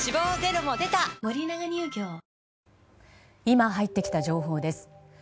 今入ってきた情報です。